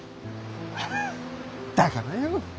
だからよ。